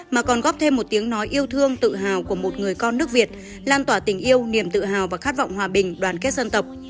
mà còn góp thêm một tiếng nói yêu thương tự hào của một người con nước việt lan tỏa tình yêu niềm tự hào và khát vọng hòa bình đoàn kết dân tộc